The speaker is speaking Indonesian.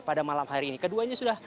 pada malam hari ini keduanya sudah